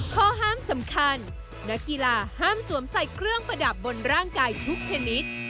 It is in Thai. ข้อห้ามสำคัญนักกีฬาห้ามสวมใส่เครื่องประดับบนร่างกายทุกชนิด